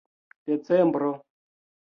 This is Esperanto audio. decembro